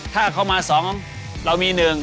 ถ้าเขามาสองเรามีหนึ่ง